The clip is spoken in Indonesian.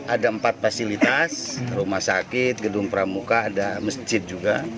ada empat fasilitas rumah sakit gedung pramuka ada masjid juga